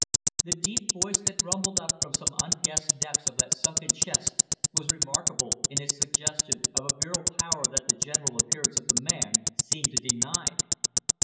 The deep voice that rumbled up from some unguessed depths of that sunken chest was remarkable in its suggestion of a virile power that the general appearance of the man seemed to deny.